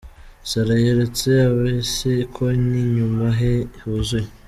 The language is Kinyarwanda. Sara yeretse ab'isi ko n'inyuma he huzuye!!!.